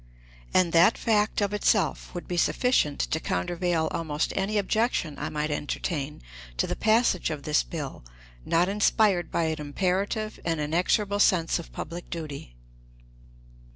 And that fact of itself would be sufficient to countervail almost any objection I might entertain to the passage of this bill not inspired by an imperative and inexorable sense of public duty.